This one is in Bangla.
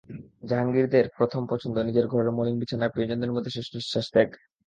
জাহাঙ্গীরদের প্রথম পছন্দ নিজের ঘরের মলিন বিছানায় প্রিয়জনদের মধ্যে শেষনিঃশ্বাস ত্যাগ।